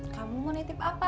kamu mau netip apa